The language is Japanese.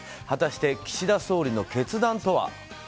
果たして岸田総理の決断とは。